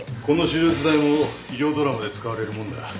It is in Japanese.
この手術台も医療ドラマで使われるもんだ